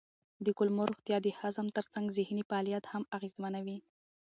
د کولمو روغتیا د هضم ترڅنګ ذهني فعالیت هم اغېزمنوي.